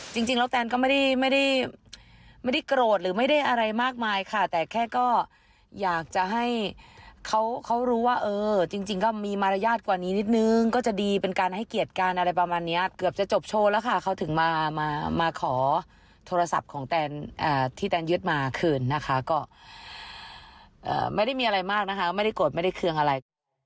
จริงแล้วแตนก็ไม่ได้โกรธหรือไม่ได้อะไรมากมายค่ะแต่แค่ก็อยากจะให้เขารู้ว่าเออจริงก็มีมารยาทกว่านี้นิดนึงก็จะดีเป็นการให้เกียรติกันอะไรประมาณนี้เกือบจะจบโชว์แล้วค่ะเขาถึงมาขอโทรศัพท์ของแตนที่แตนยึดมาคืนนะคะก็ไม่ได้มีอะไรมากนะคะไม่ได้โกรธไม่ได้เครื่องอะไร